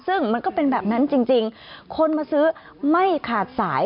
ซึ่งมันก็เป็นแบบนั้นจริงคนมาซื้อไม่ขาดสาย